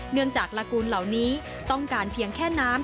เนื่องจากลากูลเหล่านี้ต้องการเพียงแค่น้ำ